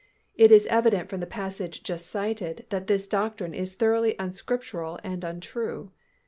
It is evident from the passage just cited that this doctrine is thoroughly unscriptural and untrue.